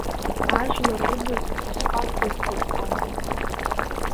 Ажәлар рыбз усҟак дазхәыцуамызт.